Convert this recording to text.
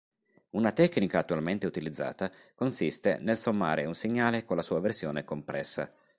Una tecnica attualmente utilizzata consiste nel sommare un segnale con la sua versione compressa.